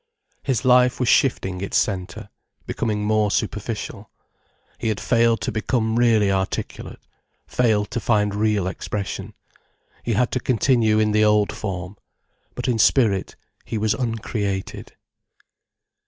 His life was shifting its centre, becoming more superficial. He had failed to become really articulate, failed to find real expression. He had to continue in the old form. But in spirit, he was uncreated.